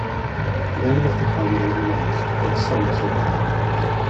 Many of the comedies are lost but some survive.